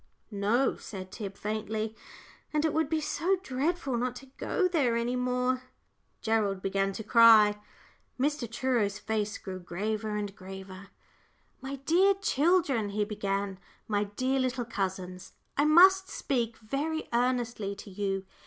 "No," said Tib, faintly; "and it would be so dreadful not to go there any more." Gerald began to cry. Mr. Truro's face grew graver and graver. "My dear children," he began, "my dear little cousins, I must speak very earnestly to you.